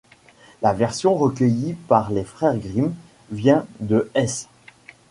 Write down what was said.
La version recueillie par les frères Grimm vient de Hesse.